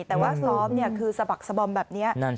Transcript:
แต่ว่าซอมเนี่ยคือสะบักสะบอมแบบเนี้ย